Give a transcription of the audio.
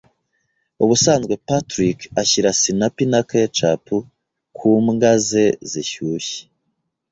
Ubusanzwe Patrick ashyira sinapi na ketchup ku mbwa ze zishyushye.